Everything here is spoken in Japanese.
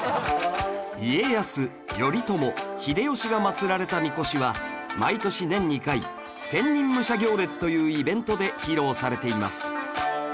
家康頼朝秀吉が祀られたみこしは毎年年２回千人武者行列というイベントで披露されています